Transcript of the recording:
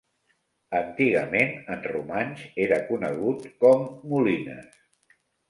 Antigament, en romanx, era conegut com "Molinas".